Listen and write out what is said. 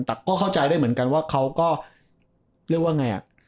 แต่ก็เข้าใจได้เหมือนกันว่าเขาก็เรียกว่าไงอ่ะ